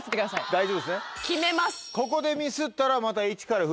大丈夫ですね？